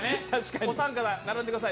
お三方並んでください。